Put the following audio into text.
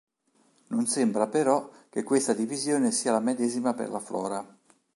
Non sembra però che questa divisione sia la medesima per la flora.